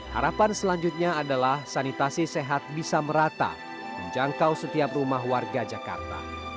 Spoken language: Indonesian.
harapan selanjutnya adalah sanitasi sehat bisa merata menjangkau setiap rumah warga jakarta